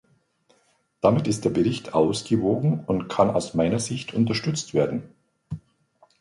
Damit ist der Bericht ausgewogen und kann aus meiner Sicht unterstützt werden.